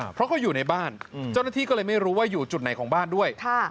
เพราะเขาอยู่ในบ้านเจ้าหน้าที่ก็เลยไม่รู้ว่าอยู่จุดไหนของบ้านด้วย